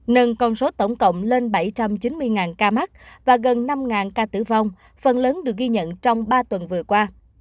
nâng con số tổng cộng lên bảy trăm chín mươi ca mắc và gần năm ca tử vong phần lớn được ghi nhận trong ba tuần vừa qua